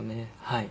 はい。